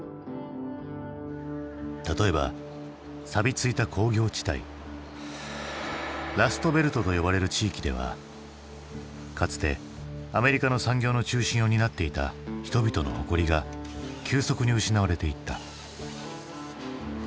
例えばさびついた工業地帯ラストベルトと呼ばれる地域ではかつてアメリカの産業の中心を担っていた人々の誇りが急速に失われていった。